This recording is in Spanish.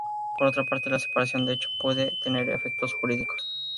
Por otra parte, la separación de hecho puede tener efectos jurídicos.